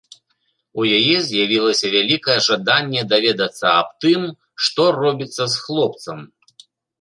У яе з'явілася вялікае жаданне даведацца аб тым, што робіцца з хлопцам.